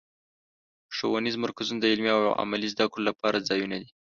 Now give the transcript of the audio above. ښوونیز مرکزونه د علمي او عملي زدهکړو لپاره ځایونه دي.